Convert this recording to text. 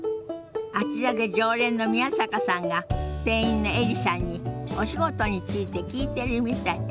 あちらで常連の宮坂さんが店員のエリさんにお仕事について聞いてるみたい。